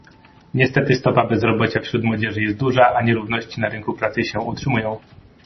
Niestety stopa bezrobocia wśród młodzieży jest duża a nierówności na rynku pracy się utrzymują